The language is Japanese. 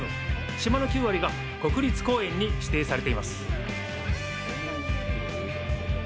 島の９割が国立公園に指定されています。